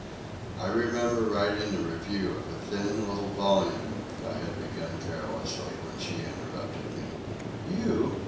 "I remember writing a review of a thin little volume—" I had begun carelessly, when she interrupted me. "You!"